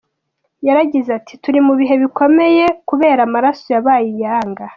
Yaragize ati “Turi mu bihe bikomeye, kubera amaraso yabaye iyanga.